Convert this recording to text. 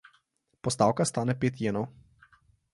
Postavka stane pet jenov.